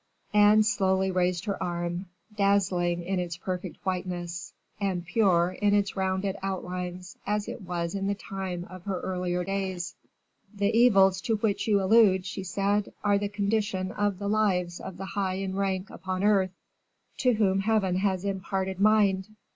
Anne slowly raised her arm, dazzling in its perfect whiteness, and pure in its rounded outlines as it was in the time of her earlier days. "The evils to which you allude," she said, "are the condition of the lives of the high in rank upon earth, to whom Heaven has imparted mind.